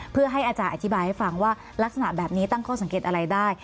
เพื่อให้อาจารย์อธิบายให้ฟังว่าลักษณะแบบนี้ตั้งข้อสังเกตอะไรได้